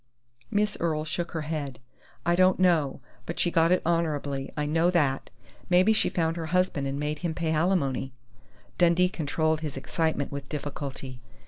Miss Earle shook her head. "I don't know, but she got it honorably. I know that!... Maybe she found her husband and made him pay alimony " Dundee controlled his excitement with difficulty.